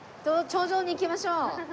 頂上に行きましょう。